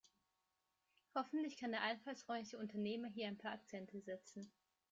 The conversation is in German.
Hoffentlich kann der einfallsreiche Unternehmer hier ein paar Akzente setzen.